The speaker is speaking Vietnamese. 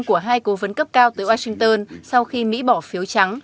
của hai cố vấn cấp cao tới washington sau khi mỹ bỏ phiếu trắng